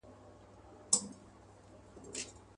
زه له ټولو سره خپل د هیچا نه یم.